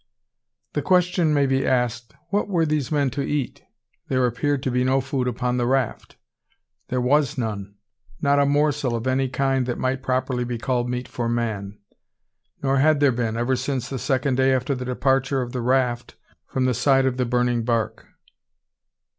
The question may be asked, What were these men to eat? There appeared to be no food upon the raft. There was none, not a morsel of any kind that might properly be called meat for man. Nor had there been, ever since the second day after the departure of the raft from the side of the burning bark.